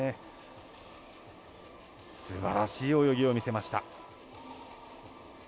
すばらしい泳ぎを見せました。